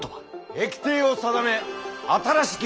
駅逓を定め新しき